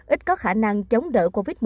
ít có khả năng chống đỡ covid một mươi chín